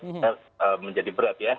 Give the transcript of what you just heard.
jadi itu menjadi berat ya